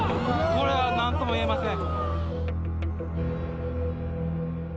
これは何とも言えません」。